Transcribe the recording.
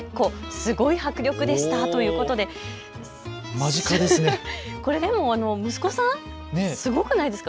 すごい迫力でしたということでこれ息子さんですか。